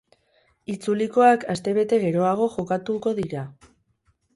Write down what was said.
Itzulikoak astebete geroago jokatuko dira.